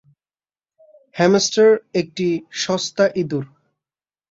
Hamster একটা সস্তা ইঁদুর।